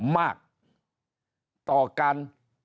มากต่อการ